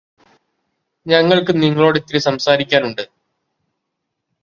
ഞങ്ങള്ക്ക് നിങ്ങളോടിത്തിരി സംസാരിക്കാനുണ്ട്